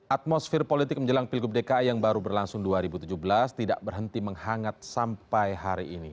atmosfer politik menjelang pilgub dki yang baru berlangsung dua ribu tujuh belas tidak berhenti menghangat sampai hari ini